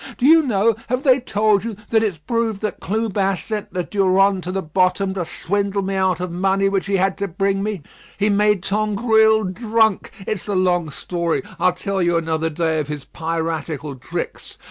Do you know, have they told you, that it's proved that Clubin sent the Durande to the bottom to swindle me out of money which he had to bring me? He made Tangrouille drunk. It's a long story. I'll tell you another day of his piratical tricks.